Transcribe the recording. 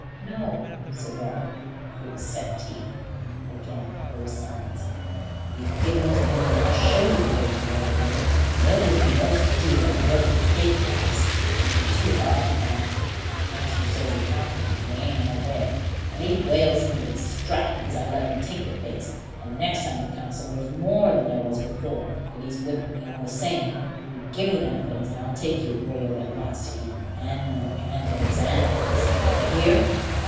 "No," said Robin, through his set teeth; and again there was silence. "You give 'em to me, and I'll show you the way to where they live and they'll give you roast deer and roast pig p'raps, for two of ourn's gone. Master says he counted 'em, and they aren't all there, and he wales me with a strap because I let them take the pigs, and next time he counts 'em there's more than there was before, but he's whipped me all the same. You give me them things, and I'll take you where you'll get lots to eat, and milk and eggs and apples. D'yer hear?"